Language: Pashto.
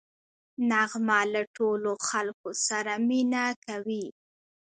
نغمه له ټولو خلکو سره مینه کوي